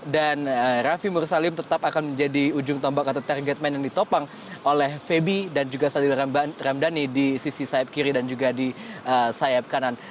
dan raffi mursalim tetap akan menjadi ujung tombak atau target man yang ditopang oleh febi dan juga salil ramdhani di sisi sayap kiri dan juga di sayap kanan